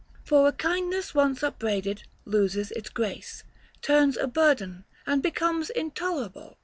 For a kindness once upbraided loses its grace, turns a burden, and becomes intolerable.